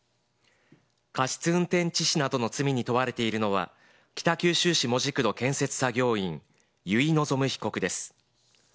過失運転致死などの罪に問われているのは、北九州市門司区の建設作業員、由井希被告です。